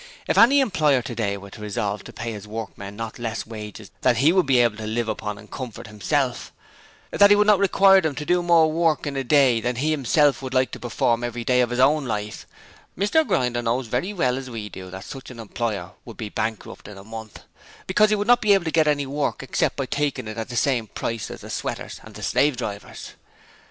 If any employer today were to resolve to pay his workmen not less wages than he would be able to live upon in comfort himself, that he would not require them to do more work in a day than he himself would like to perform every day of his own life, Mr Grinder knows as well as we do that such an employer would be bankrupt in a month; because he would not be able to get any work except by taking it at the same price as the sweaters and the slave drivers.